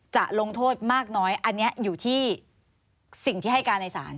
จะลงโทษมากน้อยอันนี้อยู่ที่สิ่งที่ให้การในศาล